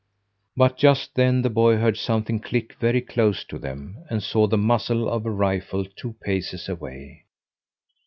But just then the boy heard something click very close to them, and saw the muzzle of a rifle two paces away.